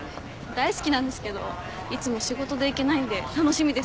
大好きなんですけどいつも仕事で行けないんで楽しみです。